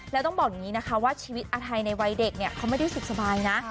แล้วต้องบอกอย่างนี้นะคะว่าชีวิตอาทัยในวัยเด็กเนี่ยเขาไม่ได้สุขสบายนะ